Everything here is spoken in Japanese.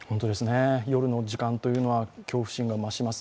夜の時間は恐怖心が増します。